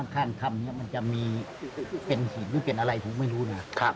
ข้างถ้ำมันจะมีเป็นอะไรผมไม่รู้นะ